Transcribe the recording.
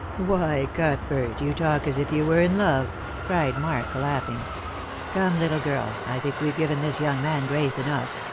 " Why, Cuthbert, you talk as if you were in love !" cried Mark, laughing. " Come, little girl, I think we've given this young man grace enough.